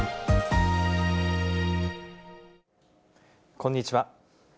こんにちは。